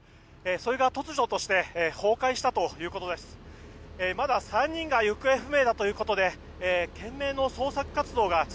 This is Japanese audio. それが突如として崩壊したということです。